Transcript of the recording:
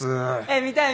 見たい。